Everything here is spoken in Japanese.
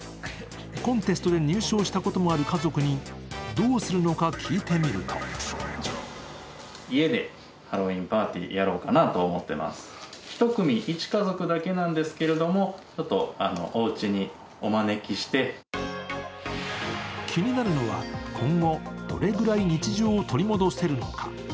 コンテストで入賞したこともある家族にどうするのか聞いてみると気になるのは、今後、どれぐらい日常を取り戻せるのか。